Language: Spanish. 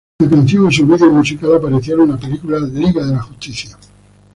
La canción y su vídeo musical aparecieron en la película "Liga de la justicia".